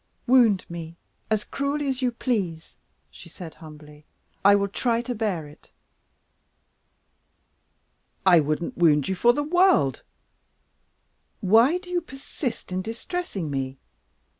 "Wound me as cruelly as you please," she said, humbly. "I will try to bear it." "I wouldn't wound you for the world! Why do you persist in distressing me?